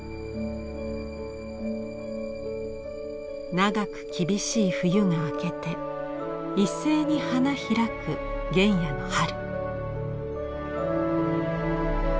長く厳しい冬が明けて一斉に花開く原野の春。